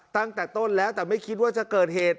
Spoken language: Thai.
ตั้งแต่ต้นแล้วแต่ไม่คิดว่าจะเกิดเหตุ